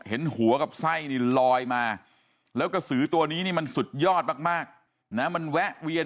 เห็นหัวกับไส้นี่ลอยมาแล้วกระสือตัวนี้นี่มันสุดยอดมากนะมันแวะเวียน